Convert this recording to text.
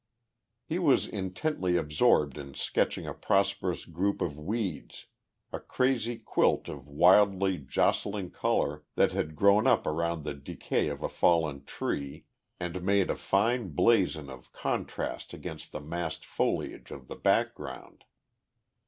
He was intently absorbed in sketching a prosperous group of weeds, a crazy quilt of wildly jostling colour, that had grown up around the decay of a fallen tree, and made a fine blazon of contrast against the massed foliage in the background.